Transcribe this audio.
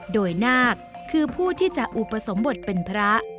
โดยนาคคือผู้ที่จะอุปสมบทเป็นพระ